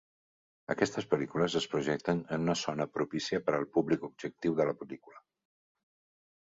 Aquestes pel·lícules es projecten en una zona propícia per al públic objectiu de la pel·lícula.